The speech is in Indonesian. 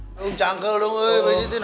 udah canggel dong bebetin